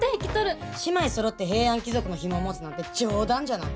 姉妹そろって平安貴族のヒモを持つなんて冗談じゃない！